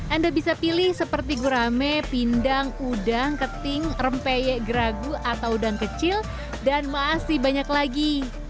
anda bisa pilih seperti gurame pindang udang keting rempeyek geragu atau udang kecil dan masih banyak lagi